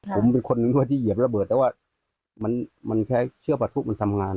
ผมเป็นคนด้วยที่เหยียบระเบิดแต่ว่ามันใช้เชือกประทุมันทำงาน